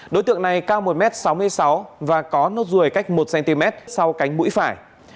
đối tượng này cao một m sáu mươi sáu và có nốt ruồi cách một cm sau cánh mũi phải